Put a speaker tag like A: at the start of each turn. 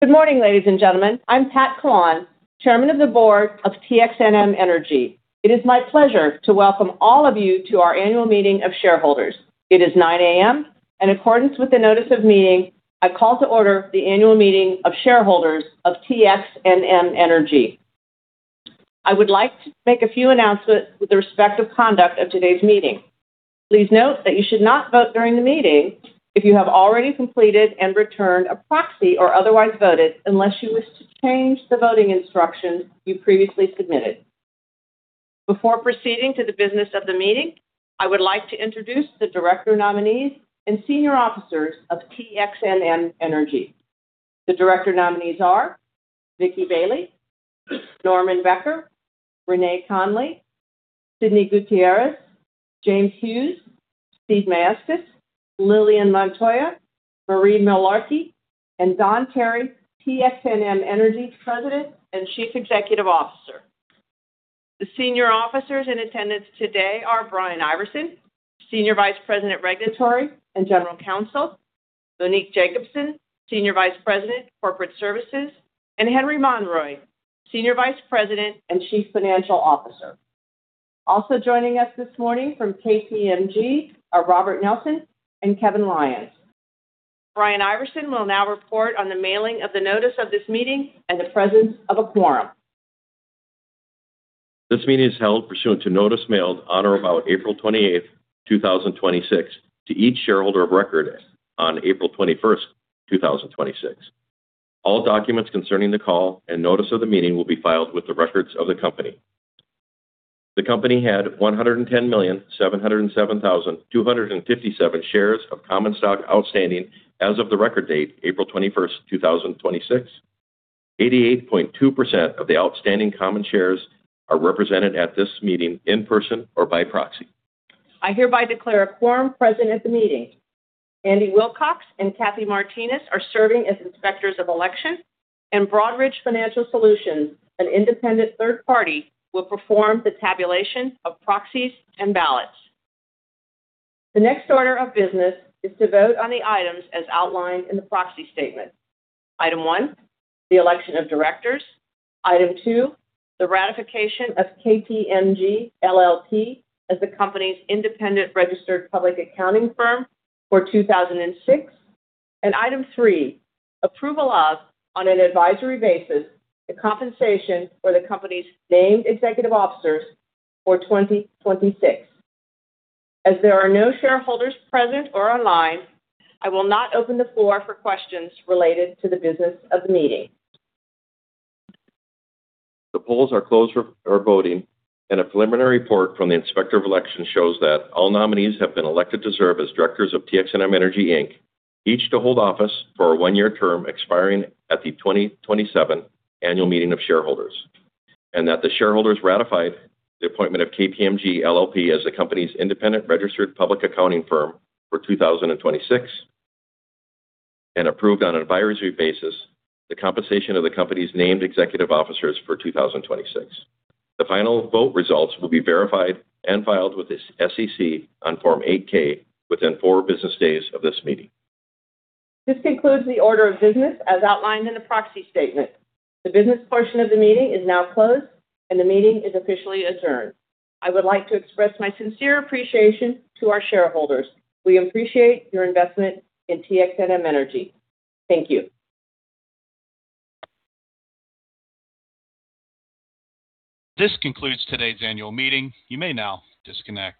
A: Good morning, ladies and gentlemen. I'm Pat Collawn, Chairman of the Board of TXNM Energy. It is my pleasure to welcome all of you to our annual meeting of shareholders. It is 9:00 A.M. In accordance with the notice of meeting, I call to order the annual meeting of shareholders of TXNM Energy. I would like to make a few announcements with respect of conduct of today's meeting. Please note that you should not vote during the meeting if you have already completed and returned a proxy or otherwise voted, unless you wish to change the voting instructions you previously submitted. Before proceeding to the business of the meeting, I would like to introduce the director nominees and senior officers of TXNM Energy. The director nominees are Nikki Bailey, Norman Becker, Renae Conley, Sidney Gutierrez, James Hughes, Steve Maestas, Lillian Montoya, Maureen Mullarkey, and Don Tarry, TXNM Energy's President and Chief Executive Officer. The Senior Officers in attendance today are Brian Iverson, Senior Vice President, Regulatory and General Counsel, Monique Jacobson, Senior Vice President, Corporate Services, and Henry Monroy, Senior Vice President and Chief Financial Officer. Also joining us this morning from KPMG are Robert Nelson and Kevin Lyons. Brian Iverson will now report on the mailing of the notice of this meeting and the presence of a quorum.
B: This meeting is held pursuant to notice mailed on or about April 28th, 2026, to each shareholder of record on April 21st, 2026. All documents concerning the call and notice of the meeting will be filed with the records of the company. The company had 110,707,257 shares of common stock outstanding as of the record date, April 21st, 2026. 88.2% of the outstanding common shares are represented at this meeting in person or by proxy.
A: I hereby declare a quorum present at the meeting. Andy Wilcox and Kathy Martinez are serving as Inspectors of Election, and Broadridge Financial Solutions, an independent third party, will perform the tabulation of proxies and ballots. The next order of business is to vote on the items as outlined in the proxy statement. Item one, the election of directors. Item two, the ratification of KPMG LLP as the company's independent registered public accounting firm for 2026. And item three, approval of, on an advisory basis, the compensation for the company's named executive officers for 2026. As there are no shareholders present or online, I will not open the floor for questions related to the business of the meeting.
B: A preliminary report from the inspector of election shows that all nominees have been elected to serve as directors of TXNM Energy Inc., each to hold office for a one-year term expiring at the 2027 annual meeting of shareholders. That the shareholders ratified the appointment of KPMG LLP as the company's independent registered public accounting firm for 2026, and approved on an advisory basis the compensation of the company's named executive officers for 2026. The final vote results will be verified and filed with the SEC on Form 8-K within four business days of this meeting.
A: This concludes the order of business as outlined in the proxy statement. The business portion of the meeting is now closed, and the meeting is officially adjourned. I would like to express my sincere appreciation to our shareholders. We appreciate your investment in TXNM Energy. Thank you.
C: This concludes today's annual meeting. You may now disconnect.